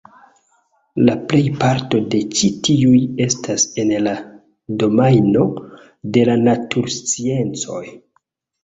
La plejparto de ĉi tiuj estas en la domajno de la natursciencoj.